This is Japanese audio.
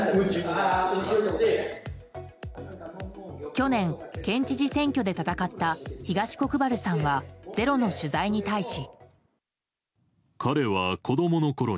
去年、県知事選挙で戦った東国原さんは「ｚｅｒｏ」の取材に対し。